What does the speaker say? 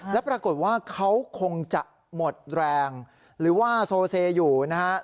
แล้วปรากฏว่าเขาคงจะหมดแรงหรือว่าโซเซอยู่นะฮะ